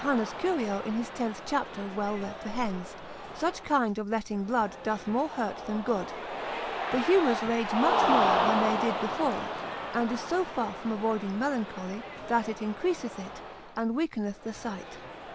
Curio in his 10th chapter well reprehends, such kind of letting blood doth more hurt than good: The humours rage much more than they did before, and is so far from avoiding melancholy, that it increaseth it, and weakeneth the sight.